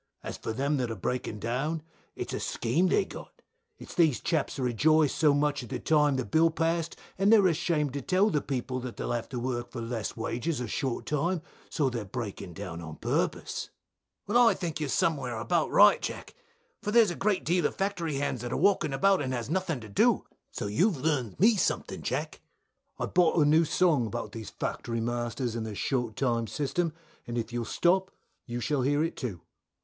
As for them that are breaking down, it's a scheme they've got, it's these chaps that rejoiced so much at the time the bill passed, and they are ashamed to tell the people that they'll have to work for less wages or short time, so they are breaking down on purpose. Bill. Well, I think you're somewhere about right, Jack, for there is a deal of factory hands that are walking about and has nothing to do, so you've learnt me something, Jack. Jack. I bought a new song about these Factory Masters and their short time system, and if you'll stop you shall hear it too.